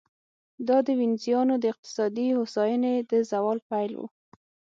دا د وینزیانو د اقتصادي هوساینې د زوال پیل و.